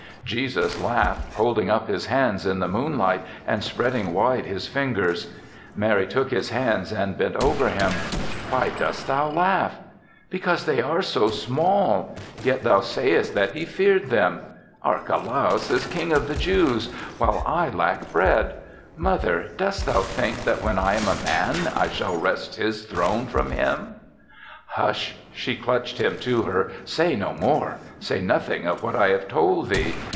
Jesus laughed, holding up his hands in the moonlight and spread ing wide his fingers. Mary took his hands and bent over him. "Why dost thou laugh?" "Because they are so small; yet thou sayest that he feared them. Archelaus is King of the Jews, while 46 THE SEVENTH CHRISTMAS I lack bread. Mother, dost thou think that when I am a man I shall wrest his throne from him ?''*' Hush !" She clutched him to her. " Say no more. Say nothing of what I have told thee.